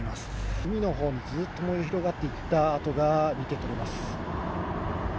海のほうにずっと燃え広がった跡が見て取れます。